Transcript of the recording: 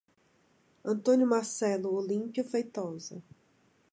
Antônio Marcelo Olimpio Feitosa